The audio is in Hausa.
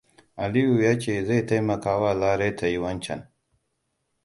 Aliyuaa ya ce zai taimakawa Lare ta yi wancan.